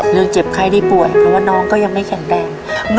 เจ็บไข้ได้ป่วยเพราะว่าน้องก็ยังไม่แข็งแรง